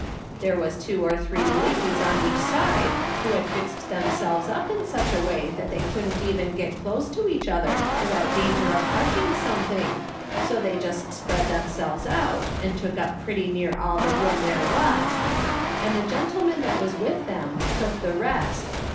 There was two or three ladies on each side, wdio had fixed themselves up in such a way that they couldn't even get close to each other without danger of crushing something, so they just spread themselves out and took up pretty near all the room there was ; and the gentlemen that was with them took the rest.